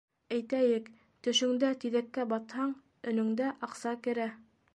- Әйтәйек, төшөңдә тиҙәккә батһаң, өнөңдә аҡса керә.